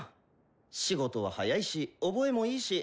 仕事は早いし覚えもいいし。